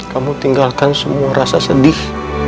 kamu tinggalkan semua rasa sedih